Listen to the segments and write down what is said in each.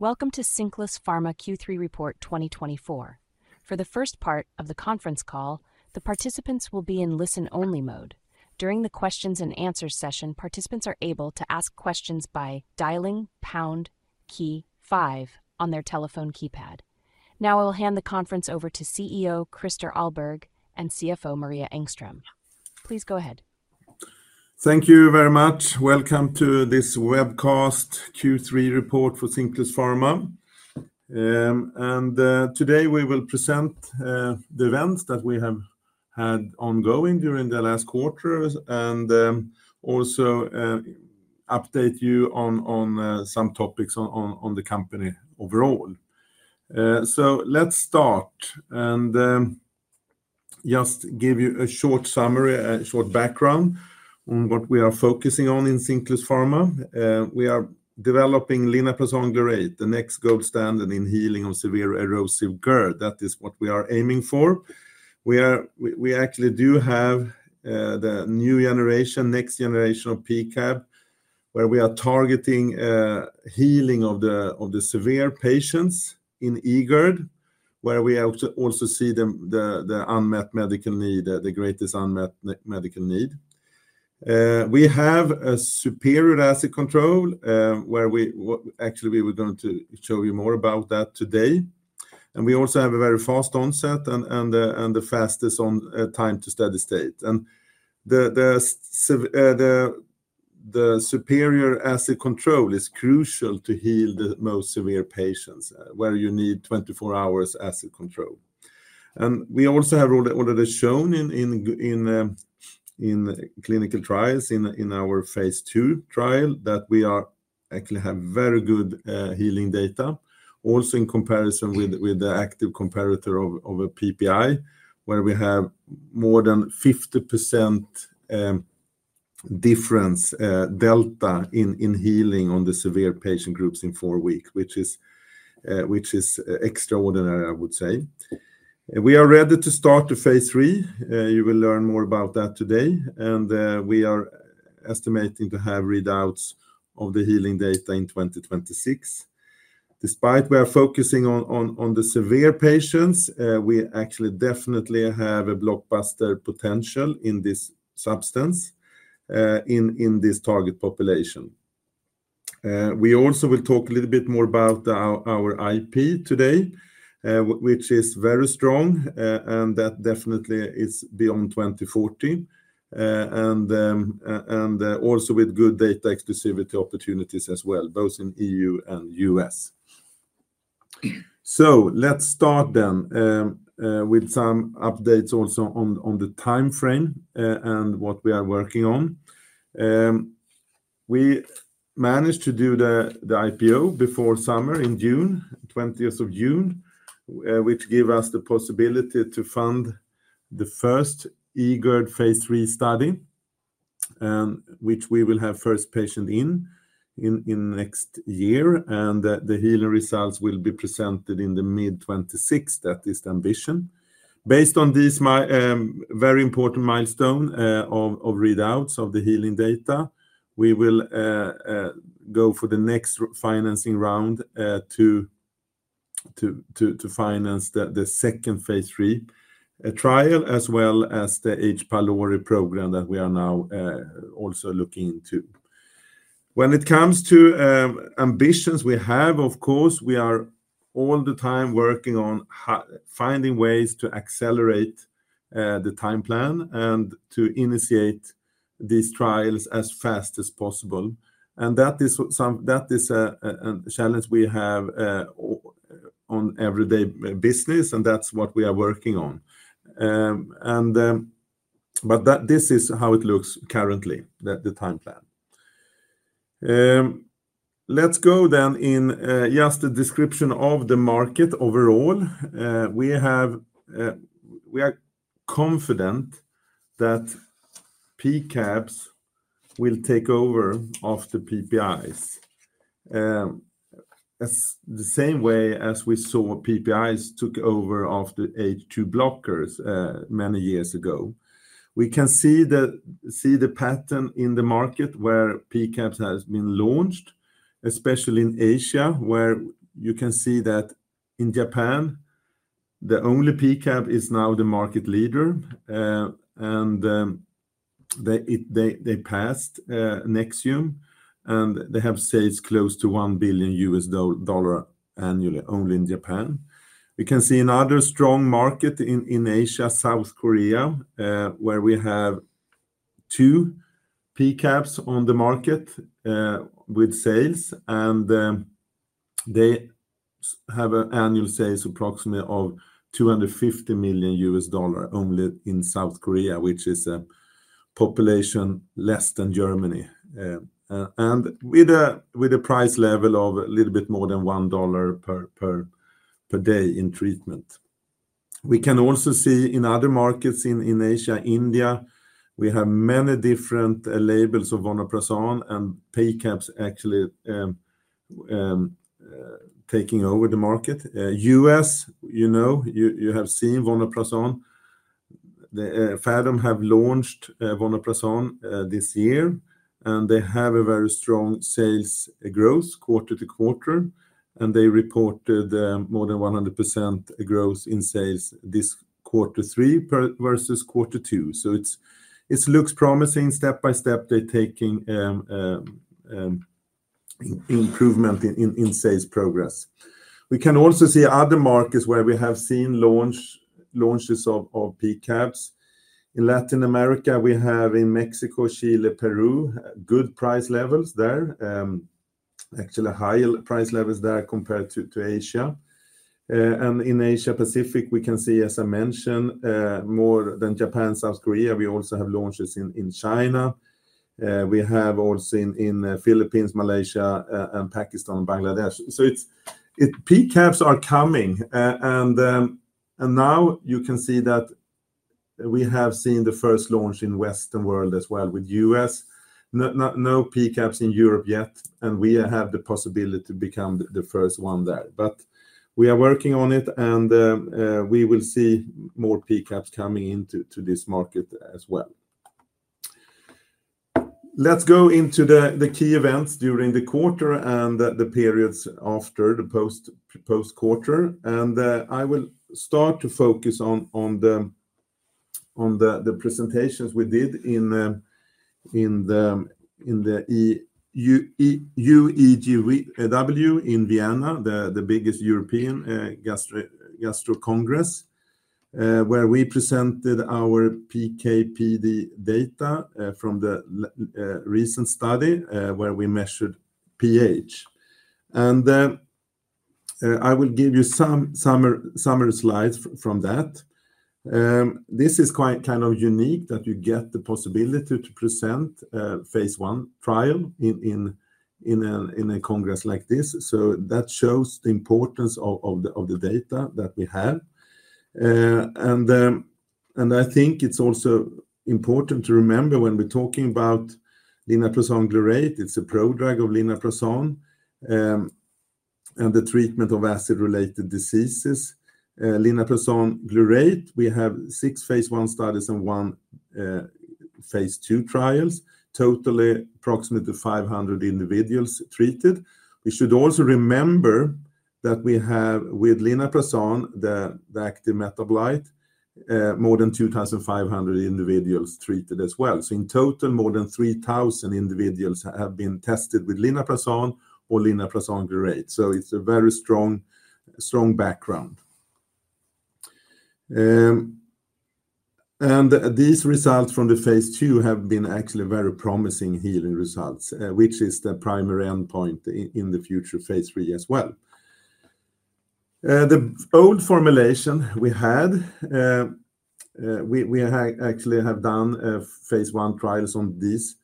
Welcome to Cinclus Pharma Q3 Report 2024. For the first part of the conference call, the participants will be in listen-only mode. During the Q&A session, participants are able to ask questions by dialing pound key five on their telephone keypad. Now, I will hand the conference over to CEO Christer Ahlberg and CFO Maria Engström. Please go ahead. Thank you very much. Welcome to this webcast, Q3 Report for Cinclus Pharma. Today we will present the events that we have had ongoing during the last quarter and also update you on some topics on the company overall. Let's start and just give you a short summary, a short background on what we are focusing on in Cinclus Pharma. We are developing linaprazan glarate, the next gold standard in healing of severe erosive GERD. That is what we are aiming for. We actually do have the new generation, next generation of PCAB, where we are targeting healing of the severe patients in eGERD, where we also see the unmet medical need, the greatest unmet medical need. We have a superior acid control, where we actually were going to show you more about that today. We also have a very fast onset and the fastest time to steady state. The superior acid control is crucial to heal the most severe patients, where you need 24 hours acid control. We also have already shown in clinical trials, in our phase II trial, that we actually have very good healing data, also in comparison with the active comparator of a PPI, where we have more than five 0% difference delta in healing on the severe patient groups in four weeks, which is extraordinary, I would say. We are ready to start the phase III. You will learn more about that today. We are estimating to have readouts of the healing data in 2026. Despite we are focusing on the severe patients, we actually definitely have a blockbuster potential in this substance in this target population. We also will talk a little bit more about our IP today, which is very strong, and that definitely is beyond 2040. And also with good data exclusivity opportunities as well, both in EU and U.S. So let's start then with some updates also on the time frame and what we are working on. We managed to do the IPO before summer in June, 20th of June, which gave us the possibility to fund the first eGERD phase III study, which we will have first patient in next year. And the healing results will be presented in the mid-2026. That is the ambition. Based on this very important milestone of readouts of the healing data, we will go for the next financing round to finance the second phase III trial, as well as the H. pylori program that we are now also looking into. When it comes to ambitions we have, of course, we are all the time working on finding ways to accelerate the time plan and to initiate these trials as fast as possible. And that is a challenge we have on everyday business, and that's what we are working on. But this is how it looks currently, the time plan. Let's go then in just the description of the market overall. We are confident that PCABs will take over after PPIs, the same way as we saw PPIs took over after H2 blockers many years ago. We can see the pattern in the market where PCABs have been launched, especially in Asia, where you can see that in Japan, the only PCAB is now the market leader. And they passed Nexium, and they have sales close to $1 billion annually, only in Japan. We can see another strong market in Asia, South Korea, where we have two PCABs on the market with sales, and they have an annual sales approximately of $250 million only in South Korea, which is a population less than Germany, and with a price level of a little bit more than $1 per day in treatment. We can also see in other markets in Asia, India, we have many different labels of vonoprazan and PCABs actually taking over the market. U.S., you know, you have seen vonoprazan. Phathom have launched vonoprazan this year, and they have a very strong sales growth quarter-to-quarter, and they reported more than 100% growth in sales this quarter three versus quarter two. So it looks promising. Step by step, they're taking improvement in sales progress. We can also see other markets where we have seen launches of PCABs. In Latin America, we have in Mexico, Chile, Peru, good price levels there, actually higher price levels there compared to Asia. In Asia Pacific, we can see, as I mentioned, more than Japan, South Korea, we also have launches in China. We have also in the Philippines, Malaysia, and Pakistan and Bangladesh. So PCABs are coming. Now you can see that we have seen the first launch in Western world as well with U.S. No PCABs in Europe yet, and we have the possibility to become the first one there. We are working on it, and we will see more PCABs coming into this market as well. Let's go into the key events during the quarter and the periods after the post-quarter. I will start to focus on the presentations we did in the UEGW in Vienna, the biggest European gastro congress, where we presented our PKPD data from the recent study where we measured pH. I will give you some summary slides from that. This is quite kind of unique that you get the possibility to present phase I trial in a congress like this. So that shows the importance of the data that we have. I think it's also important to remember when we're talking about linaprazan glarate, it's a prodrug of linaprazan and the treatment of acid-related diseases. linaprazan glarate, we have six phase I studies and one phase II trials, totally approximately 500 individuals treated. We should also remember that we have with linaprazan, the active metabolite, more than 2,500 individuals treated as well. So in total, more than 3,000 individuals have been tested with linaprazan or linaprazan glarate. So it's a very strong background. And these results from the phase II have been actually very promising healing results, which is the primary endpoint in the future phase III as well. The old formulation we had, we actually have done phase I trials on this.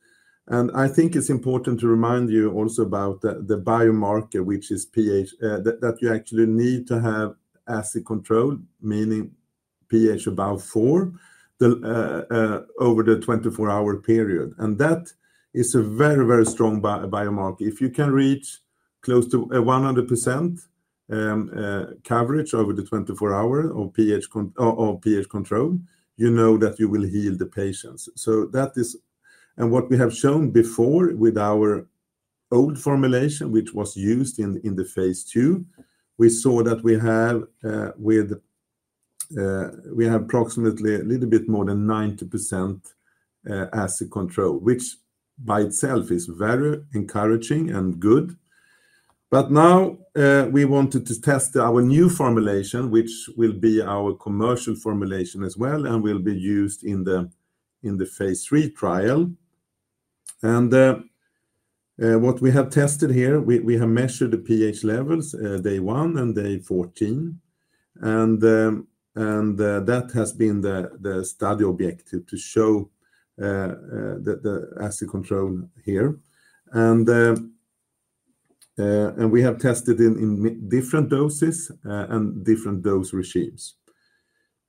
And I think it's important to remind you also about the biomarker, which is pH, that you actually need to have acid control, meaning pH about four over the 24-hour period. And that is a very, very strong biomarker. If you can reach close to 100% coverage over the 24 hours of pH control, you know that you will heal the patients. That is, and what we have shown before with our old formulation, which was used in the phase II, we saw that we have approximately a little bit more than 90% acid control, which by itself is very encouraging and good. But now we wanted to test our new formulation, which will be our commercial formulation as well, and will be used in the phase III trial. And what we have tested here, we have measured the pH levels day one and day 14. And that has been the study objective to show the acid control here. And we have tested in different doses and different dose regimes.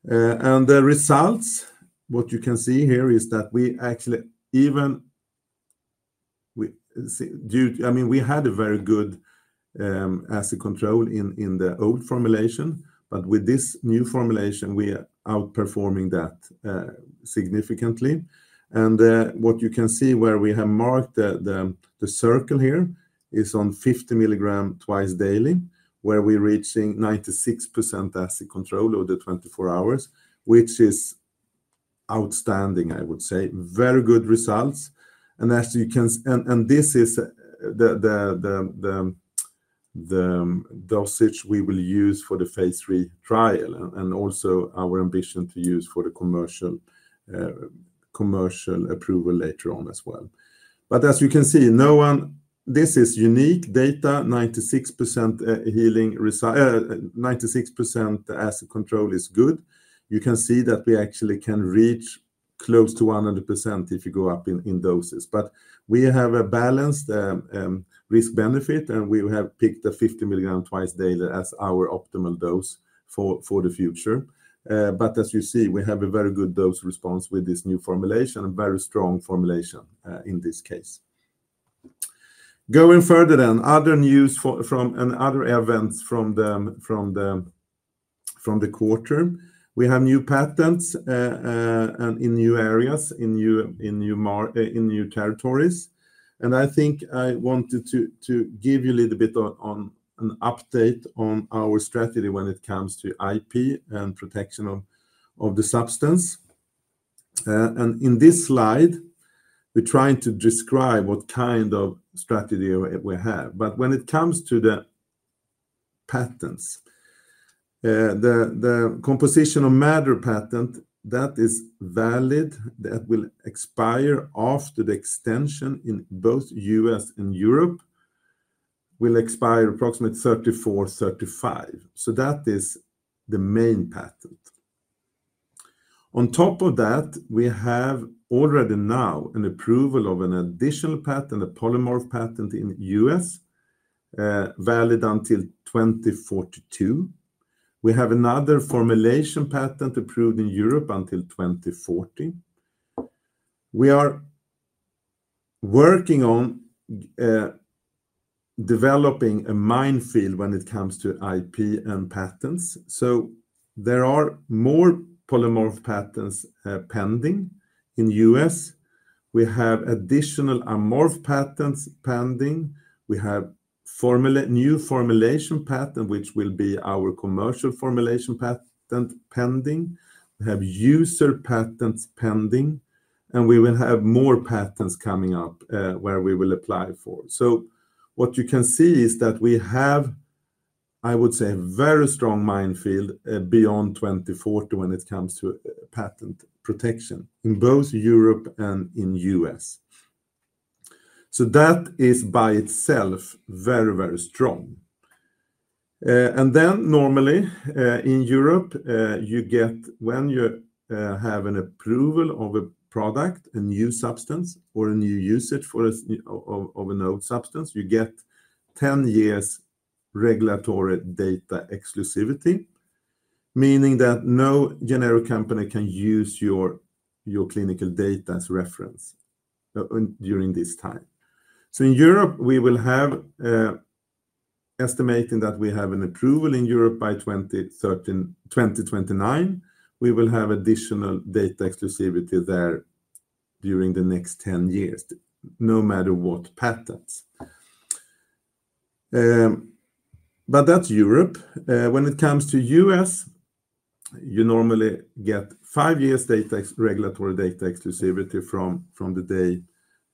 And the results, what you can see here is that we actually even, I mean, we had a very good acid control in the old formulation, but with this new formulation, we are outperforming that significantly. What you can see where we have marked the circle here is on 50 mg twice daily, where we're reaching 96% acid control over the 24 hours, which is outstanding, I would say. Very good results. This is the dosage we will use for the phase III trial and also our ambition to use for the commercial approval later on as well. As you can see, this is unique data. 96% acid control is good. You can see that we actually can reach close to 100% if you go up in doses. We have a balanced risk-benefit, and we have picked the 50 mg twice daily as our optimal dose for the future. As you see, we have a very good dose response with this new formulation, a very strong formulation in this case. Going further then, other news from other events from the quarter. We have new patents in new areas, in new territories. And I think I wanted to give you a little bit of an update on our strategy when it comes to IP and protection of the substance. And in this slide, we're trying to describe what kind of strategy we have. But when it comes to the patents, the composition of matter patent, that is valid, that will expire after the extension in both U.S. and Europe, will expire approximately 34, 35. So that is the main patent. On top of that, we have already now an approval of an additional patent, a polymorph patent in U.S., valid until 2042. We have another formulation patent approved in Europe until 2040. We are working on developing a minefield when it comes to IP and patents. So there are more polymorph patents pending in U.S. We have additional amorphous patents pending. We have new formulation patent, which will be our commercial formulation patent pending. We have use patents pending, and we will have more patents coming up where we will apply for. So what you can see is that we have, I would say, a very strong minefield beyond 2040 when it comes to patent protection in both Europe and in U.S. So that is by itself very, very strong. And then normally in Europe, you get when you have an approval of a product, a new substance or a new usage of an old substance, you get 10 years regulatory data exclusivity, meaning that no generic company can use your clinical data as reference during this time. So in Europe, we will have, estimating that we have an approval in Europe by 2029, we will have additional data exclusivity there during the next 10 years, no matter what patents. But that's Europe. When it comes to U.S., you normally get five years regulatory data exclusivity from the day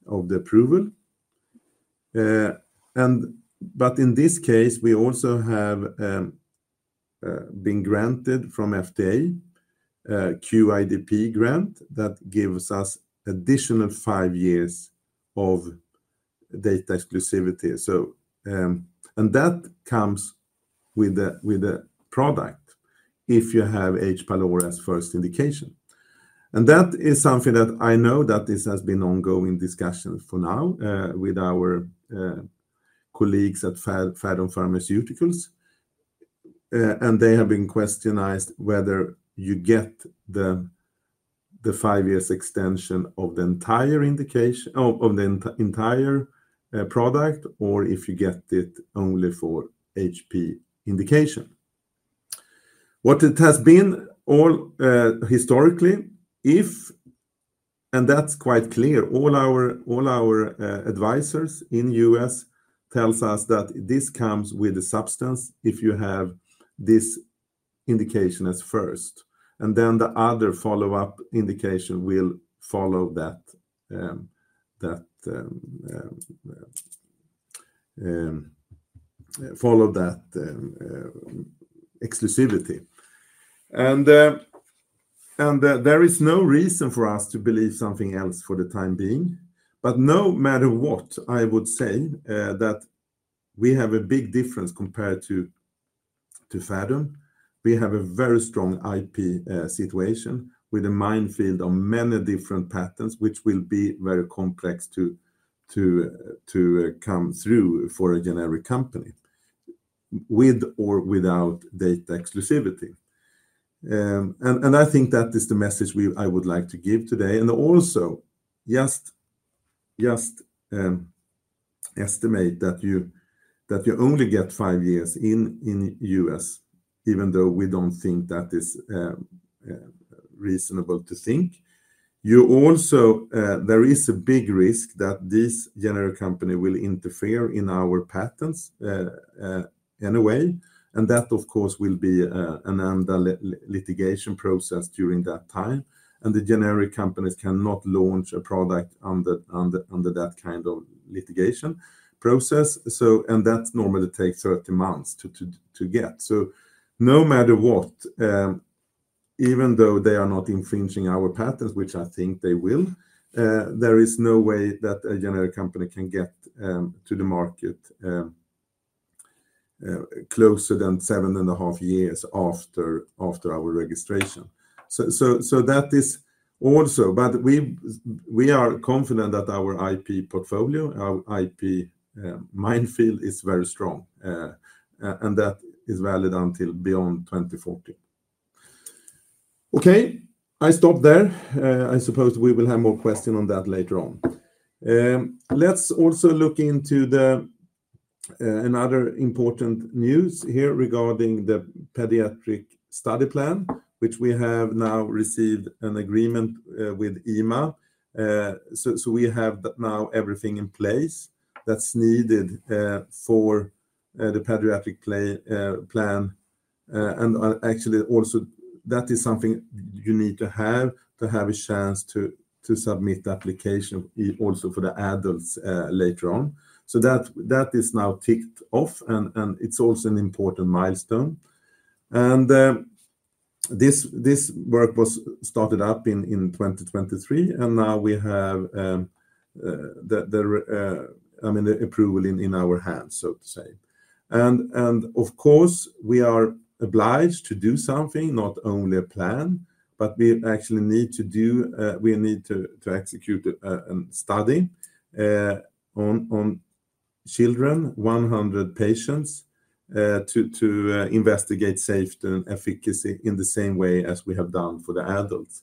of the approval. But in this case, we also have been granted from FDA, QIDP grant that gives us additional five years of data exclusivity. And that comes with a product if you have H. pylori as first indication. And that is something that I know that this has been ongoing discussion for now with our colleagues at Phathom Pharmaceuticals. And they have been questioned whether you get the five years extension of the entire product or if you get it only for H. P. indication. What it has been all historically, and that's quite clear, all our advisors in U.S. tells us that this comes with a substance if you have this indication as first. And then the other follow-up indication will follow that exclusivity. And there is no reason for us to believe something else for the time being. But no matter what, I would say that we have a big difference compared to Phathom. We have a very strong IP situation with a minefield of many different patents, which will be very complex to come through for a generic company with or without data exclusivity. And I think that is the message I would like to give today. And also just estimate that you only get five years in U.S., even though we don't think that is reasonable to think. There is a big risk that this generic company will interfere in our patents anyway. And that, of course, will be an amended litigation process during that time. And the generic companies cannot launch a product under that kind of litigation process and that normally takes 30 months to get. No matter what, even though they are not infringing our patents, which I think they will, there is no way that a generic company can get to the market closer than seven and a half years after our registration. So that is also, but we are confident that our IP portfolio, our IP minefield is very strong. And that is valid until beyond 2040. Okay, I stop there. I suppose we will have more questions on that later on. Let's also look into another important news here regarding the pediatric study plan, which we have now received an agreement with EMA. So we have now everything in place that's needed for the pediatric plan. And actually, also, that is something you need to have to have a chance to submit the application also for the adults later on. So that is now ticked off, and it's also an important milestone. And this work was started up in 2023, and now we have, I mean, the approval in our hands, so to say. And of course, we are obliged to do something, not only a plan, but we actually need to do, we need to execute a study on children, 100 patients, to investigate safety and efficacy in the same way as we have done for the adults.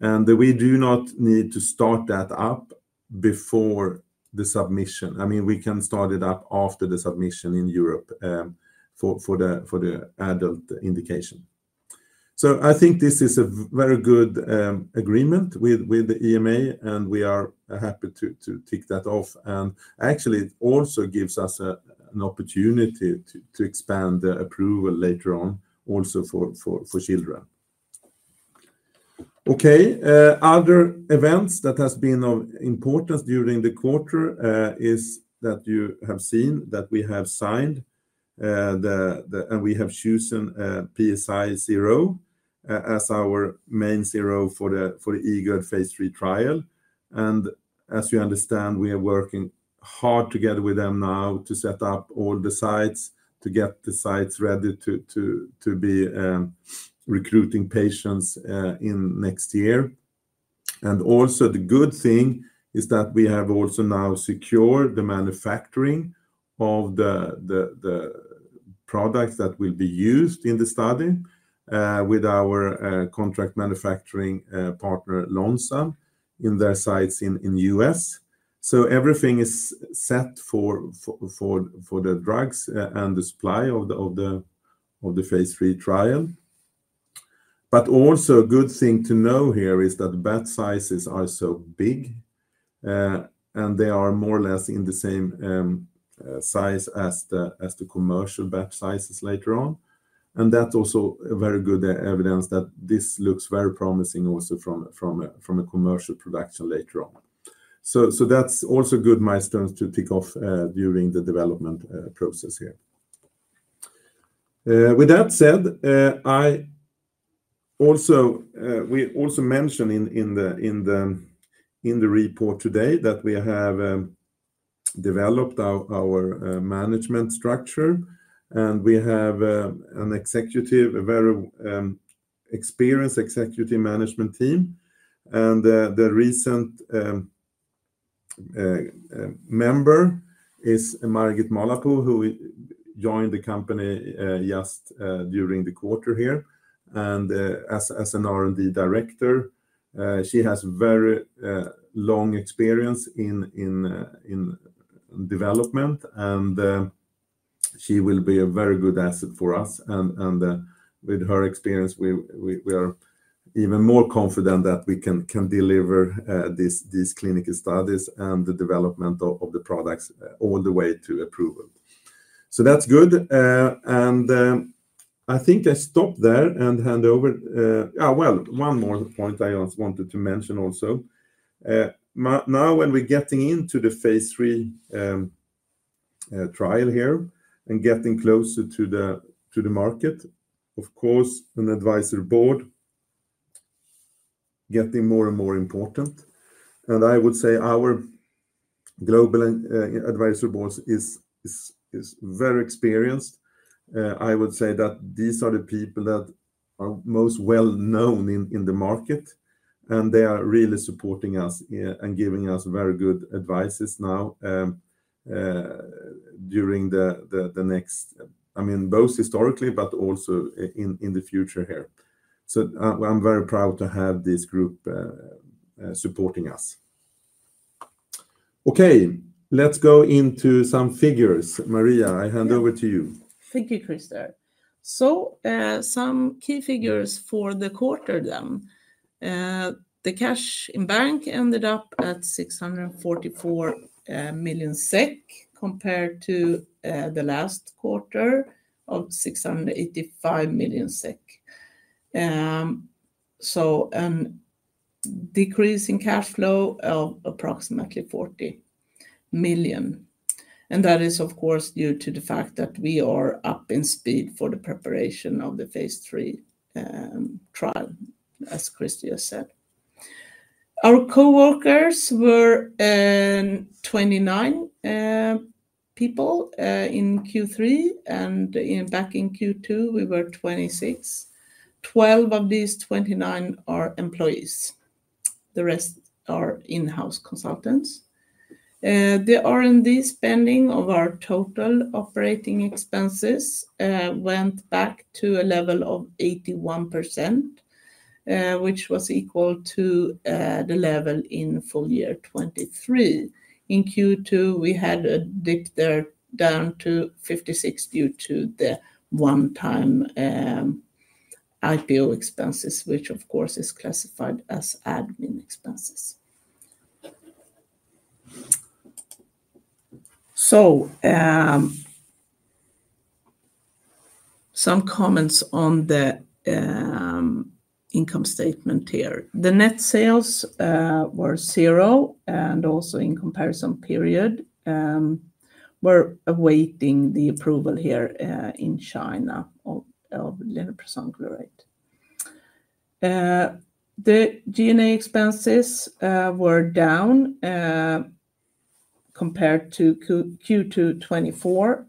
And we do not need to start that up before the submission. I mean, we can start it up after the submission in Europe for the adult indication. So I think this is a very good agreement with the EMA, and we are happy to tick that off. And actually, it also gives us an opportunity to expand the approval later on also for children. Okay, other events that have been of importance during the quarter is that you have seen that we have signed and we have chosen PSI CRO as our main CRO for the eGERD phase III trial. And as you understand, we are working hard together with them now to set up all the sites, to get the sites ready to be recruiting patients in next year. And also the good thing is that we have also now secured the manufacturing of the products that will be used in the study with our contract manufacturing partner, Lonza, in their sites in U.S. So everything is set for the drugs and the supply of the phase III trial. But also a good thing to know here is that batch sizes are so big, and they are more or less in the same size as the commercial batch sizes later on. That's also very good evidence that this looks very promising also from a commercial production later on. That's also good milestones to tick off during the development process here. With that said, we also mentioned in the report today that we have developed our management structure, and we have an executive, a very experienced executive management team. The recent member is Margit Mahlapuu, who joined the company just during the quarter here. As an R&D Director, she has very long experience in development, and she will be a very good asset for us. With her experience, we are even more confident that we can deliver these clinical studies and the development of the products all the way to approval. That's good. I think I stop there and hand over. One more point I just wanted to mention also. Now when we're getting into the phase III trial here and getting closer to the market, of course, an advisory board is getting more and more important. And I would say our global advisory board is very experienced. I would say that these are the people that are most well-known in the market, and they are really supporting us and giving us very good advices now during the next, I mean, both historically, but also in the future here. So I'm very proud to have this group supporting us. Okay, let's go into some figures. Maria, I hand over to you. Thank you, Christer. So some key figures for the quarter then. The cash in bank ended up at 644 million SEK compared to the last quarter of 685 million SEK. So a decrease in cash flow of approximately 40 million. That is, of course, due to the fact that we are up to speed for the preparation of the phase III trial, as Christer just said. Our coworkers were 29 people in Q3, and back in Q2, we were 26. 12 of these 29 are employees. The rest are in-house consultants. The R&D spending of our total operating expenses went back to a level of 81%, which was equal to the level in full year 2023. In Q2, we had dipped down to 56% due to the one-time IPO expenses, which, of course, is classified as admin expenses. Some comments on the income statement here. The net sales were zero, and also in comparison period, we're awaiting the approval here in China of linaprazan glarate. The G&A expenses were down compared to Q2 2024.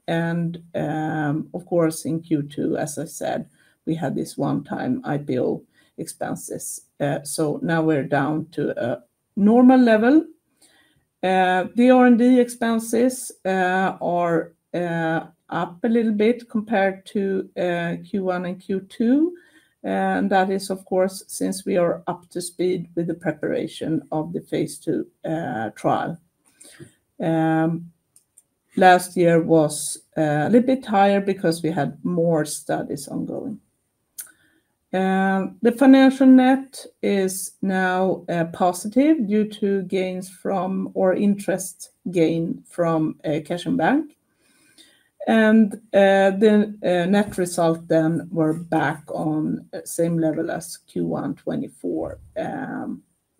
Of course, in Q2, as I said, we had this one-time IPO expenses. So now we're down to a normal level. The R&D expenses are up a little bit compared to Q1 and Q2. And that is, of course, since we are up to speed with the preparation of the phase II trial. Last year was a little bit higher because we had more studies ongoing. The financial net is now positive due to gains from or interest gain from cash in bank. And the net result then were back on the same level as Q1 2024.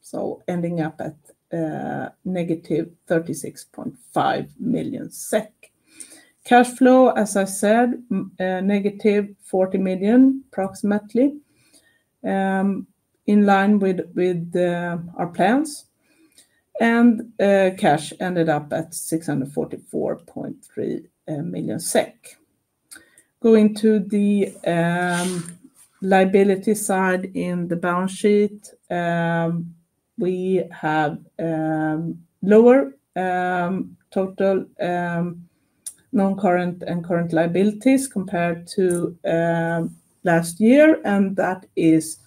So ending up at negative 36.5 million SEK. Cash flow, as I said, negative 40 million approximately, in line with our plans. And cash ended up at 644.3 million SEK. Going to the liability side in the balance sheet, we have lower total non-current and current liabilities compared to last year. And that is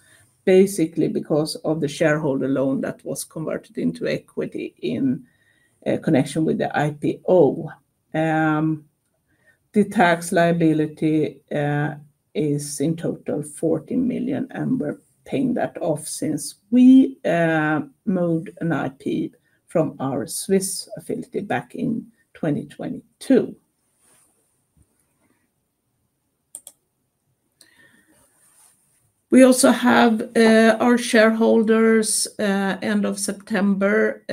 basically because of the shareholder loan that was converted into equity in connection with the IPO. The tax liability is in total 40 million, and we're paying that off since we moved an IP from our Swiss affiliate back in 2022. We also have our shareholders end of September.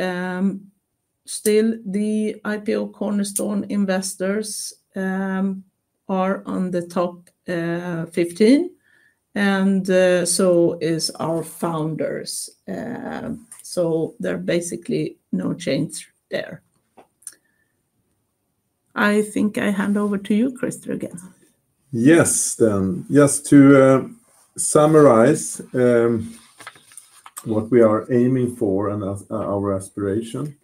Still, the IPO Cornerstone investors are on the top 15, and so is our founders. So there are basically no change there. I think I hand over to you, Christer, again. Yes, then. Yes, to summarize what we are aiming for and our aspiration.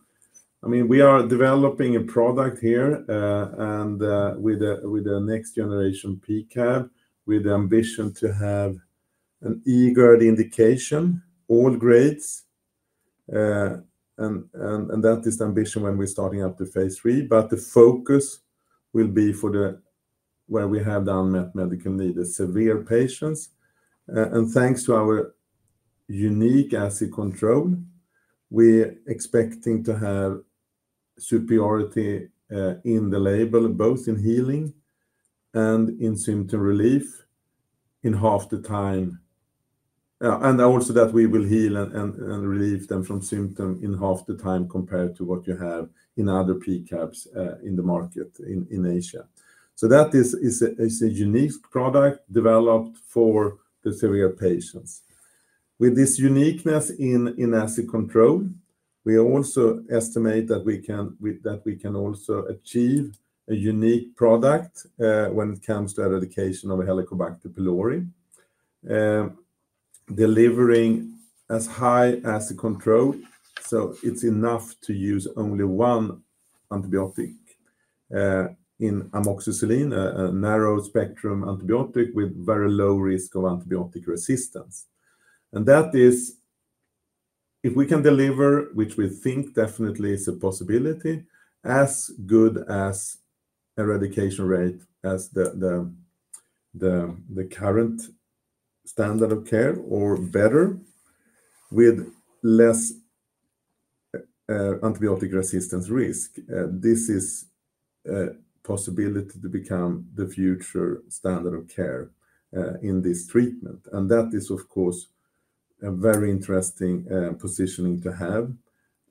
I mean, we are developing a product here and with a next-generation PCAB with the ambition to have an eGERD indication, all grades. And that is the ambition when we're starting up the phase III. But the focus will be for the where we have the unmet medical needs, the severe patients. Thanks to our unique acid control, we're expecting to have superiority in the label, both in healing and in symptom relief in half the time. We also expect that we will heal and relieve them from symptoms in half the time compared to what you have in other PCABs in the market in Asia. That is a unique product developed for the severe patients. With this uniqueness in acid control, we also estimate that we can also achieve a unique product when it comes to eradication of Helicobacter pylori, delivering as high as the control. It's enough to use only one antibiotic in amoxicillin, a narrow spectrum antibiotic with very low risk of antibiotic resistance. And that is, if we can deliver, which we think definitely is a possibility, as good as eradication rate as the current standard of care or better with less antibiotic resistance risk, this is a possibility to become the future standard of care in this treatment. And that is, of course, a very interesting positioning to have.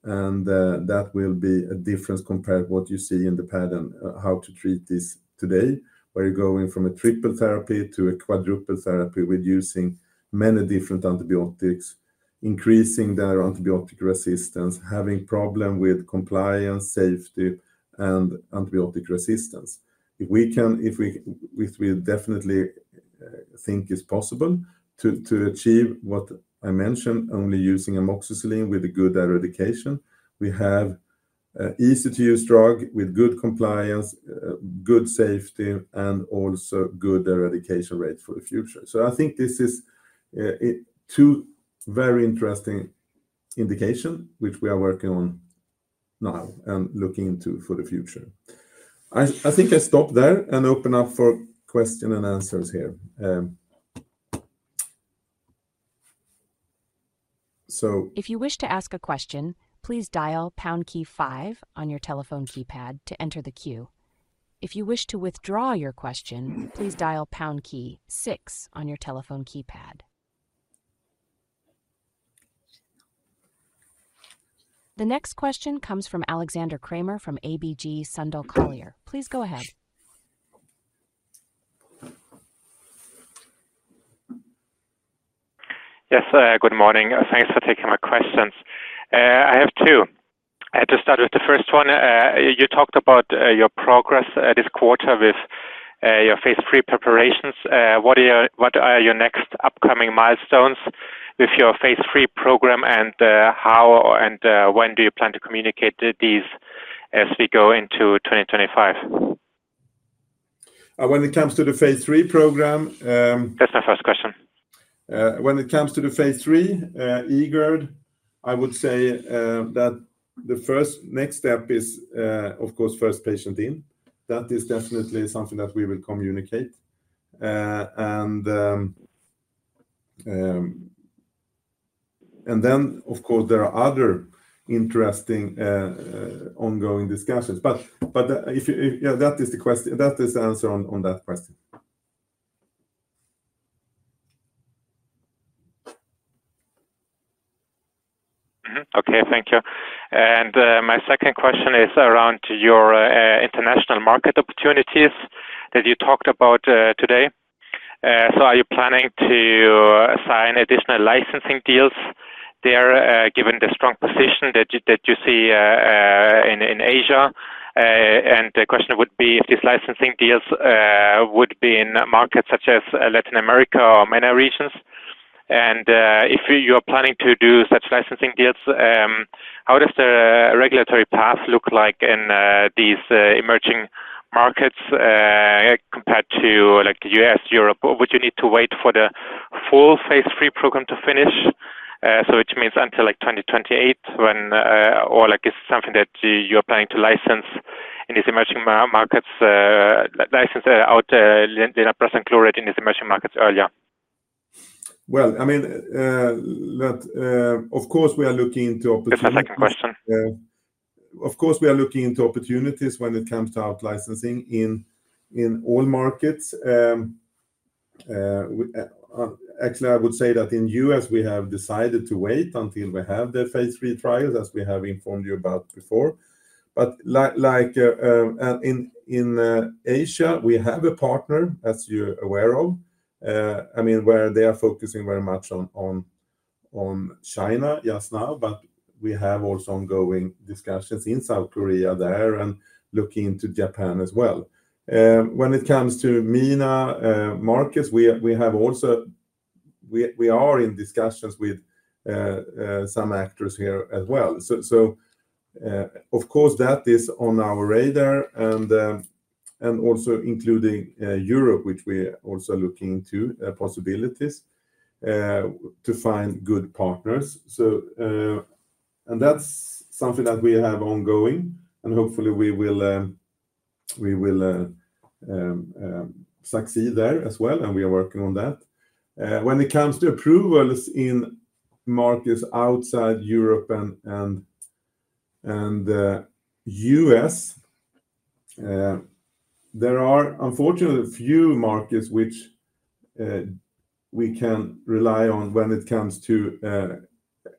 And that will be a difference compared to what you see in the pattern, how to treat this today, where you're going from a triple therapy to a quadruple therapy with using many different antibiotics, increasing their antibiotic resistance, having problem with compliance, safety, and antibiotic resistance. If we can, we definitely think it's possible to achieve what I mentioned, only using amoxicillin with a good eradication. We have an easy-to-use drug with good compliance, good safety, and also good eradication rate for the future. So I think this is two very interesting indications, which we are working on now and looking into for the future. I think I stop there and open up for question-and-answers here. So If you wish to ask a question, please dial pound key five on your telephone keypad to enter the queue. If you wish to withdraw your question, please dial pound key six on your telephone keypad. The next question comes from Alexander Krämer from ABG Sundal Collier. Please go ahead. Yes, good morning. Thanks for taking my questions. I have two. To start with the first one, you talked about your progress this quarter with your phase III preparations. What are your next upcoming milestones with your phase III program, and how and when do you plan to communicate these as we go into 2025? When it comes to the phase III program, That's my first question. When it comes to the phase III, eGERD, I would say that the first next step is, of course, first patient in. That is definitely something that we will communicate. And then, of course, there are other interesting ongoing discussions. But that is the question. That is the answer on that question. Okay, thank you. And my second question is around your international market opportunities that you talked about today. So are you planning to sign additional licensing deals there, given the strong position that you see in Asia? And the question would be if these licensing deals would be in markets such as Latin America or MENA regions. And if you are planning to do such licensing deals, how does the regulatory path look like in these emerging markets compared to the U.S., Europe? Would you need to wait for the full phase III program to finish? So which means until like 2028, or is it something that you are planning to license in these emerging markets, license out the linaprazan glurate in these emerging markets earlier? Well, I mean, of course, we are looking into That's the second question. Of course, we are looking into opportunities when it comes to out-licensing in all markets. Actually, I would say that in the U.S., we have decided to wait until we have the phase III trials, as we have informed you about before. But in Asia, we have a partner, as you're aware of, I mean, where they are focusing very much on China just now, but we have also ongoing discussions in South Korea there and looking into Japan as well. When it comes to MENA markets, we are in discussions with some actors here as well, so of course, that is on our radar and also including Europe, which we are also looking into possibilities to find good partners. That's something that we have ongoing, hopefully we will succeed there as well, and we are working on that. When it comes to approvals in markets outside Europe and the U.S., there are unfortunately few markets which we can rely on when it comes to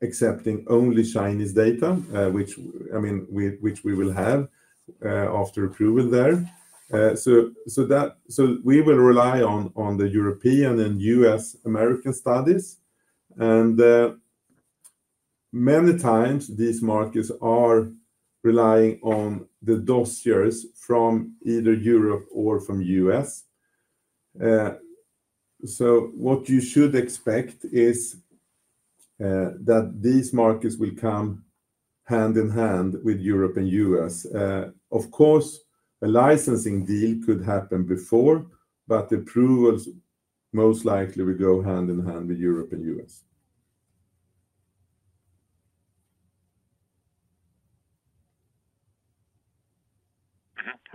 accepting only Chinese data, which I mean, which we will have after approval there, so we will rely on the European and U.S. American studies. Many times, these markets are relying on the dossiers from either Europe or from the U.S., so what you should expect is that these markets will come hand in hand with Europe and the U.S. Of course, a licensing deal could happen before, but approvals most likely will go hand in hand with Europe and the US.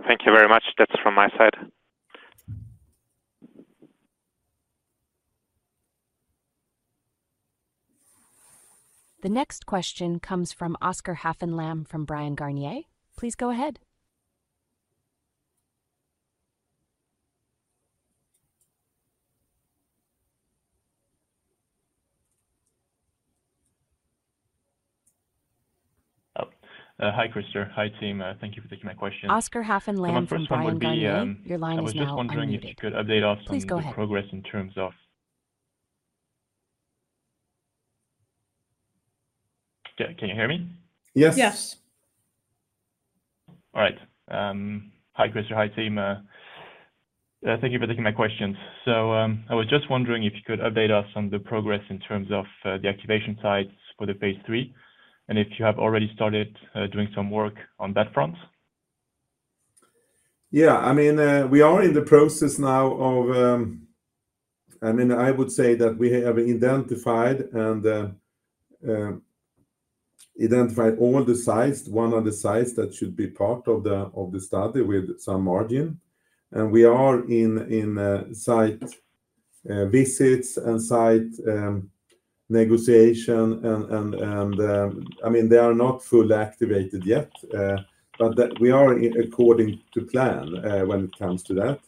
Thank you very much. That's from my side. The next question comes from Oscar Haffenn Lamm from Bryan Garnier. Please go ahead. Hi, Christer. Hi, team. Thank you for taking my question. Oscar Haffenn Lamm from Bryan Garnier. Your line is now up. I was just wondering if you could update us on the progress in terms of... Can you hear me? Yes. Yes. All right. Hi, Christer. Hi, team. Thank you for taking my questions. So I was just wondering if you could update us on the progress in terms of the activation sites for the phase III and if you have already started doing some work on that front. Yeah. I mean, we are in the process now of I mean, I would say that we have identified all the sites, one of the sites that should be part of the study with some margin. And we are in site visits and site negotiation. And I mean, they are not fully activated yet, but we are according to plan when it comes to that.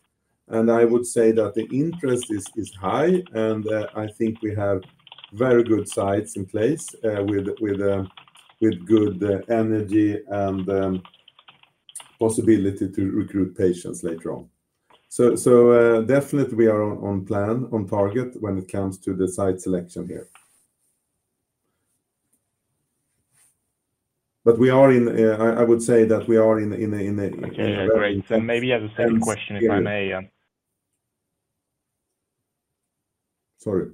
And I would say that the interest is high. And I think we have very good sites in place with good energy and possibility to recruit patients later on. So definitely, we are on plan, on target when it comes to the site selection here. But I would say that we are in a very intense... Maybe as a second question, if I may. Sorry.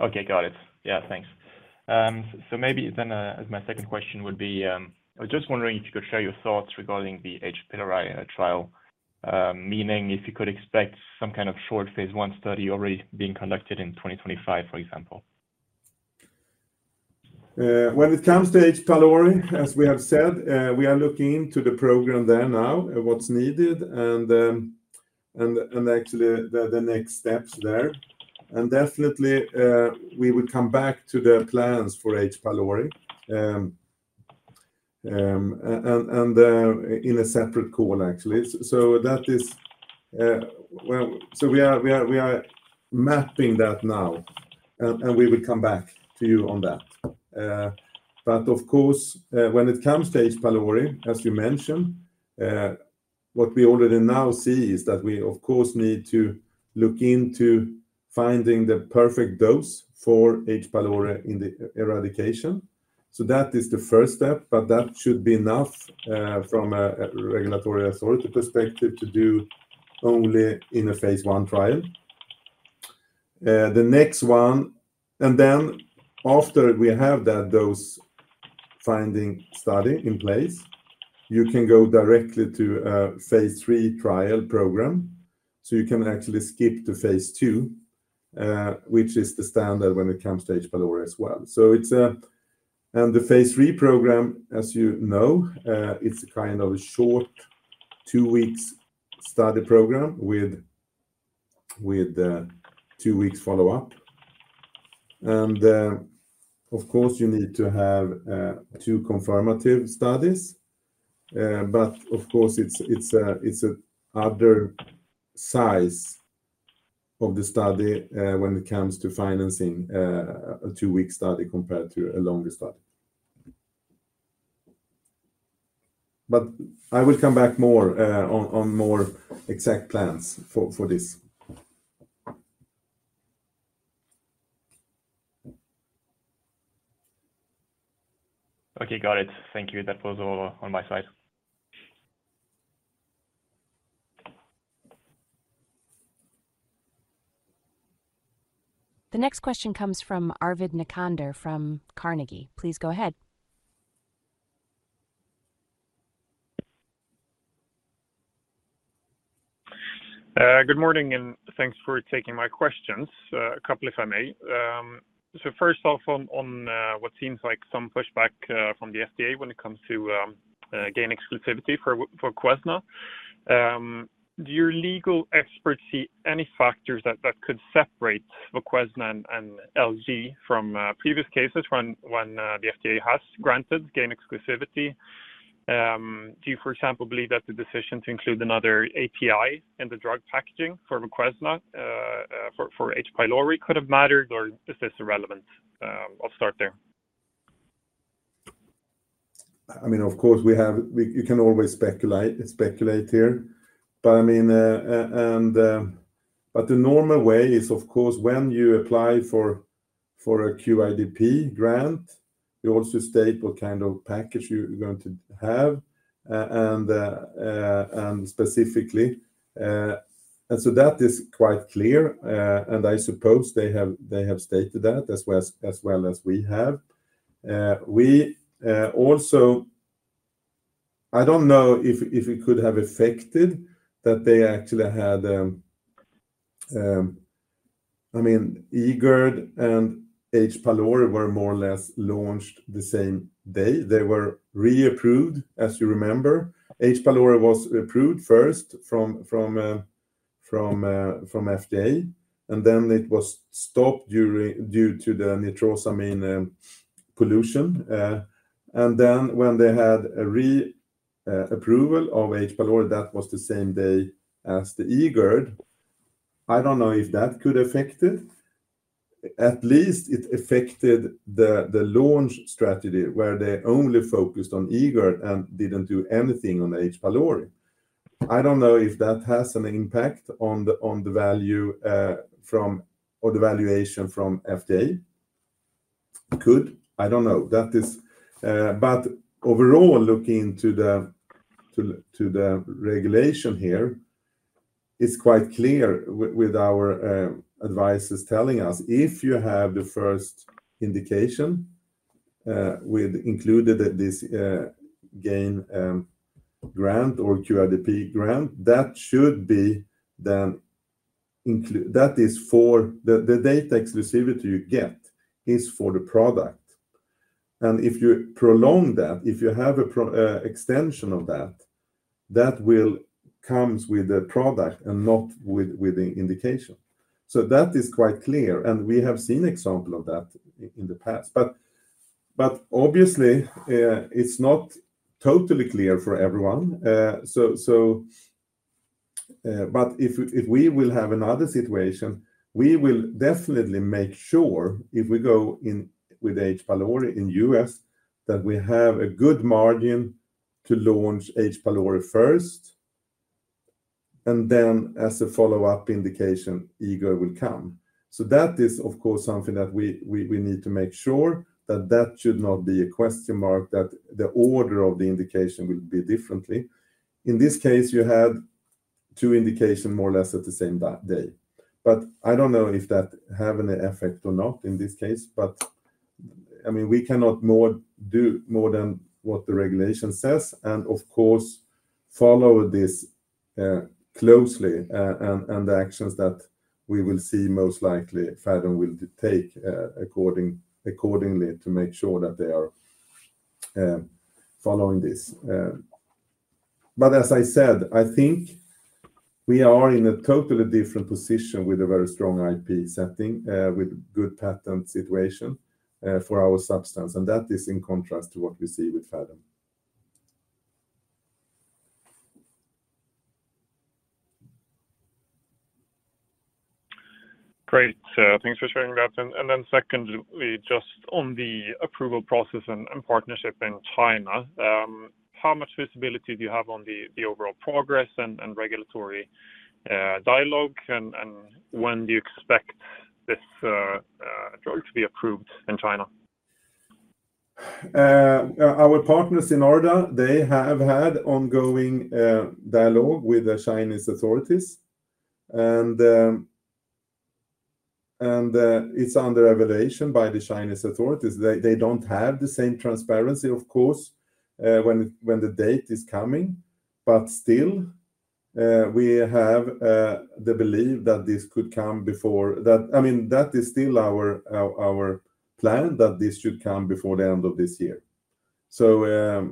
Okay, got it. Yeah, thanks. So maybe then my second question would be, I was just wondering if you could share your thoughts regarding the H. pylori trial, meaning if you could expect some kind of short phase I study already being conducted in 2025, for example. When it comes to H. pylori, as we have said, we are looking into the program there now, what's needed, and actually the next steps there. And definitely, we will come back to the plans for H. pylori in a separate call, actually. So that is, we are mapping that now, and we will come back to you on that. But of course, when it comes to H. pylori, as you mentioned, what we already now see is that we, of course, need to look into finding the perfect dose for H. pylori in the eradication. So that is the first step, but that should be enough from a regulatory authority perspective to do only in a phase I trial. The next one, and then after we have that dose finding study in place, you can go directly to a phase III trial program. So you can actually skip to phase II, which is the standard when it comes to H. pylori as well. And the phase III program, as you know, it's a kind of a short two-week study program with two-week follow-up. And of course, you need to have two confirmative studies. But of course, it's another size of the study when it comes to financing a two-week study compared to a longer study. But I will come back on more exact plans for this. Okay, got it. Thank you. That was all on my side. The next question comes from Arvid Necander from Carnegie. Please go ahead. Good morning, and thanks for taking my questions, a couple if I may. So first off, on what seems like some pushback from the FDA when it comes to GAIN exclusivity for Voquezna, do your legal expert see any factors that could separate Voquezna and LG from previous cases when the FDA has granted GAIN exclusivity? Do you, for example, believe that the decision to include another API in the drug packaging for Voquezna for H. pylori could have mattered, or is this irrelevant? I'll start there. I mean, of course, you can always speculate here. But I mean, but the normal way is, of course, when you apply for a QIDP grant, you also state what kind of package you're going to have and specifically. And so that is quite clear. I suppose they have stated that as well as we have. I don't know if it could have affected that they actually had, I mean, eGERD and H. pylori were more or less launched the same day. They were reapproved, as you remember. H. pylori was approved first from FDA, and then it was stopped due to the nitrosamine pollution. And then when they had reapproval of H. pylori, that was the same day as the eGERD. I don't know if that could have affected. At least it affected the launch strategy where they only focused on eGERD and didn't do anything on H. pylori. I don't know if that has an impact on the value or the valuation from FDA. Could? I don't know. But overall, looking into the regulation here, it's quite clear with our advisors telling us if you have the first indication including the QIDP grant, that should be then that is for the data exclusivity you get is for the product. And if you prolong that, if you have an extension of that, that will come with the product and not with the indication. So that is quite clear. And we have seen examples of that in the past. But obviously, it's not totally clear for everyone. But if we will have another situation, we will definitely make sure if we go with H. pylori in the U.S. that we have a good margin to launch H. pylori first, and then as a follow-up indication, eGERD will come. So that is, of course, something that we need to make sure that, that should not be a question mark, that the order of the indication will be differently. In this case, you had two indications more or less at the same day. But I don't know if that has any effect or not in this case. But I mean, we cannot do more than what the regulation says. And of course, follow this closely and the actions that we will see most likely FDA will take accordingly to make sure that they are following this. But as I said, I think we are in a totally different position with a very strong IP setting with good patent situation for our substance. And that is in contrast to what we see with FDA. Great. Thanks for sharing that. And then secondly, just on the approval process and partnership in China, how much visibility do you have on the overall progress and regulatory dialogue? And when do you expect this drug to be approved in China? Our partners, Sinorda, they have had ongoing dialogue with the Chinese authorities. And it's under evaluation by the Chinese authorities. They don't have the same transparency, of course, when the date is coming. But still, we have the belief that this could come before that. I mean, that is still our plan, that this should come before the end of this year. So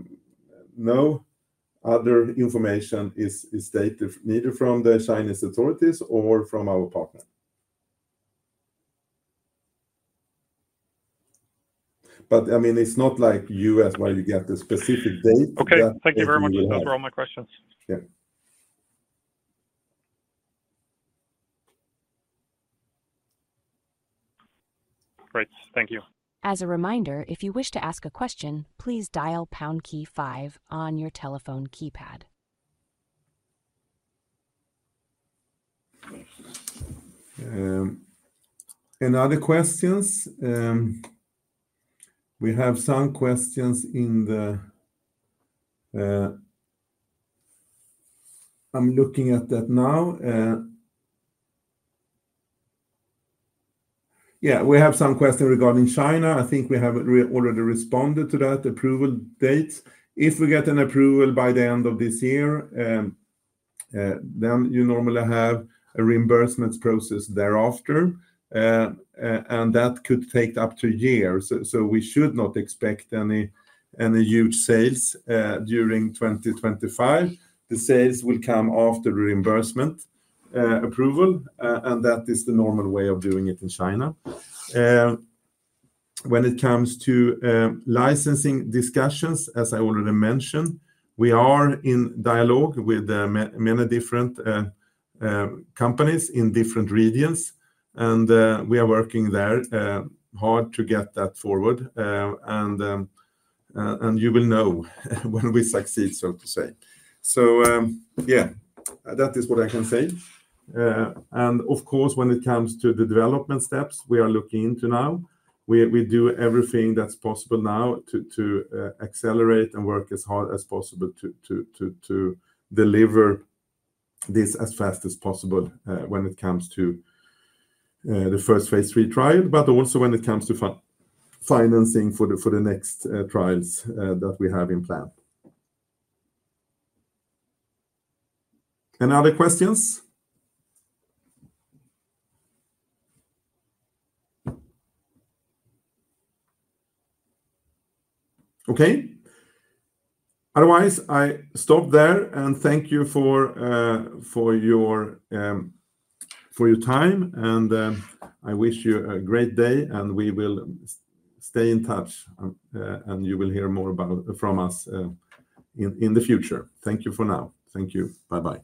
no other information is stated neither from the Chinese authorities or from our partner. But I mean, it's not like the U.S. where you get the specific date. Okay. Thank you very much. Those were all my questions. Yeah. Great. Thank you. As a reminder, if you wish to ask a question, please dial pound key five on your telephone keypad. Any other questions? We have some questions in the queue. I'm looking at that now. Yeah, we have some questions regarding China. I think we have already responded to that approval date. If we get an approval by the end of this year, then you normally have a reimbursement process thereafter. And that could take up to a year. So we should not expect any huge sales during 2025. The sales will come after the reimbursement approval. And that is the normal way of doing it in China. When it comes to licensing discussions, as I already mentioned, we are in dialogue with many different companies in different regions. And we are working there hard to get that forward. And you will know when we succeed, so to say. So yeah, that is what I can say, and of course, when it comes to the development steps we are looking into now. We do everything that's possible now to accelerate and work as hard as possible to deliver this as fast as possible when it comes to the first phase III trial, but also when it comes to financing for the next trials that we have in plan. Any other questions? Okay. Otherwise, I stop there, and thank you for your time. I wish you a great day, and we will stay in touch, and you will hear more from us in the future. Thank you for now. Thank you. Bye-bye.